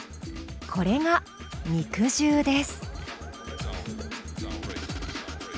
これが肉汁です。